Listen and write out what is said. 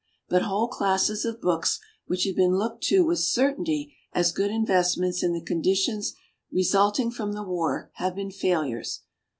But whole classes of books which had been looked to with certainty as good investments in the conditions resulting from the war have been failures.